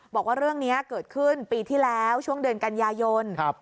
บอกว่าเรื่องนี้เกิดขึ้นปีที่แล้วช่วงเดือนกันยายน